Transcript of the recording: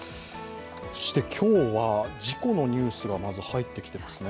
今日は事故のニュースがまず入ってきています。